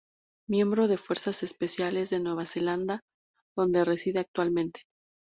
Miembro de fuerzas especiales de Nueva Zelanda, donde reside actualmente.